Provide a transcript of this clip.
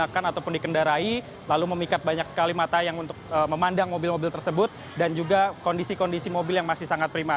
maka tidak mungkin mobil mobil tersebut masih bisa digunakan ataupun dikendarai lalu memikat banyak sekali mata yang untuk memandang mobil mobil tersebut dan juga kondisi kondisi mobil yang masih sangat prima